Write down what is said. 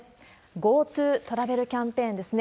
ＧｏＴｏトラベルキャンペーンですね。